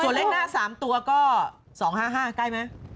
ส่วนเลขหน้า๓ตัวก็๒๕๕ใกล้ไหม